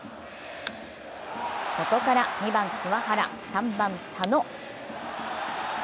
ここから２番・桑原、３番・佐野。